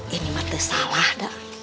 ini merti salah dek